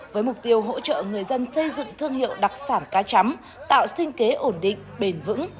với mục tiêu hỗ trợ người dân xây dựng thương hiệu đặc sản cá chắm tạo sinh kế ổn định bền vững